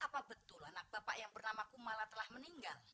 apa betul anak bapak yang bernama kumala telah meninggal